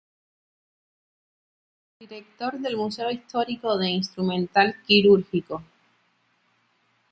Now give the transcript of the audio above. Director del Museo Histórico de Instrumental Quirúrgico.